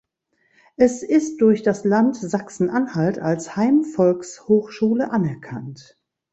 Es ist durch das Land Sachsen-Anhalt als Heimvolkshochschule anerkannt.